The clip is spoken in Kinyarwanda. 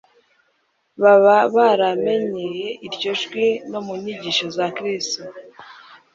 baba baramenycye iryo jwi no mu nyigisho za Kristo.